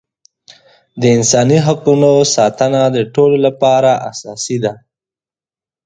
د انساني حقونو ساتنه د ټولو لپاره اساسي ده.